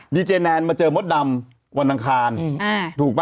ดีเจแนนมาเจอมดดำวันอังคารถูกป่